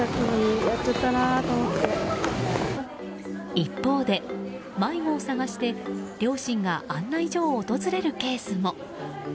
一方で、迷子を捜して両親が案内所を訪れるケースも。